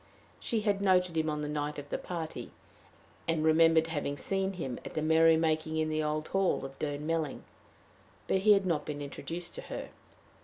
She had noted him on the night of the party, and remembered having seen him at the merrymaking in the old hall of Durnmelling, but he had not been introduced to her.